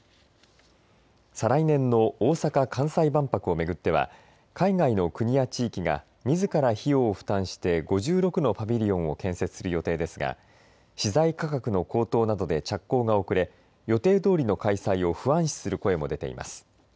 再来年の大阪・関西万博を巡っては海外の国や地域がみずから費用を負担して５６のパビリオンを建設する予定ですが資材価格の高騰などで着工が遅れ予定どおりの開催を不安視する声も出ています。